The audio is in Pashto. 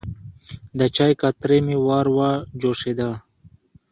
د چای کتری مې وروه جوشېده.